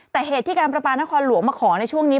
แต่เหตุที่การประปานครหลวงมาขอในช่วงนี้